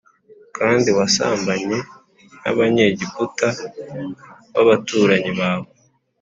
Kandi wasambanye n’Abanyegiputa b’abaturanyi bawe